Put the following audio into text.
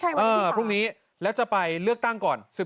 ใช่วันที่๔พรุ่งนี้แล้วจะไปเลือกตั้งก่อน